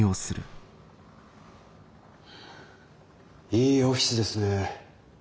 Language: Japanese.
いいオフィスですね。